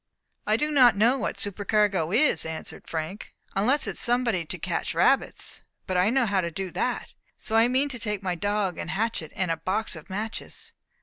"I do not know what supercargo is," answered Frank, "unless it is somebody to catch rabbits. But I know how to do that. So I mean to take my dog and hatchet, and a box of matches."